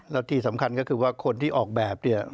แล้วที่สำคัญก็คือว่าคนที่ออกแบบเนี่ย